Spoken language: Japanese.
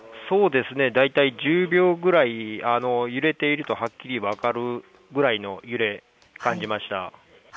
大体１０秒ぐらい揺れているとはっきり分かるぐらいの揺れを感じました。